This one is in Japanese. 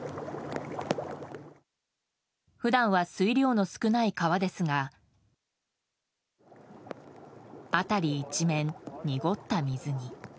普段は水量の少ない川ですが辺り一面、濁った水に。